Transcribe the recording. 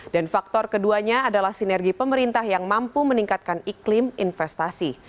dan faktor keduanya adalah sinergi pemerintah yang mampu meningkatkan iklim investasi